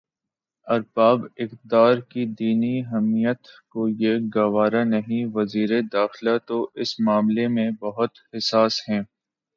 ارباب اقتدارکی دینی حمیت کو یہ گوارا نہیں وزیر داخلہ تو اس معاملے میں بہت حساس ہیں۔